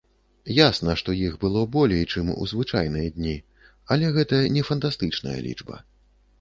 Ясна, што іх было болей, чым у звычайныя дні, але гэта не фантастычная лічба.